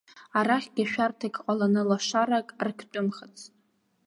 Арахьгьы шәарҭак ҟаланы лашарак арктәымхацт.